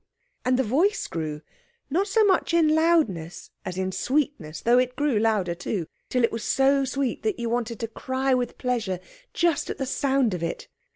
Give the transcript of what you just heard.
And the voice grew, not so much in loudness as in sweetness (though it grew louder, too), till it was so sweet that you wanted to cry with pleasure just at the sound of it.